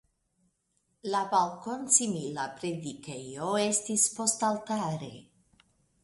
La balkonsimila predikejo estis postaltare.